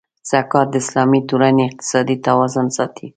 زکات د اسلامي ټولنې اقتصادي توازن ساتي.